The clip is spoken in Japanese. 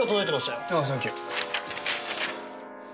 ああサンキュー。